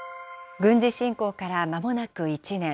軍事侵攻からまもなく１年。